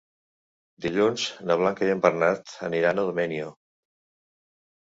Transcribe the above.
Dilluns na Blanca i en Bernat aniran a Domenyo.